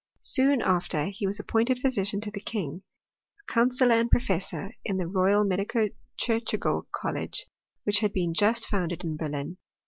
Soon after he was appointed physician to the king, a counsellor and professor in the Roya| Medico Chirurgical College, which had been just founded in Berlin.